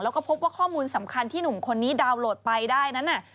แล้วก็พบว่าข้อมูลสำคัญที่หนุ่มคนนี้ดาวน์โหลดไปได้นั้นน่ะ